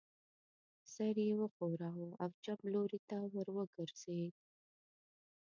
سر یې و ښوراوه او چپ لوري ته ور وګرځېد.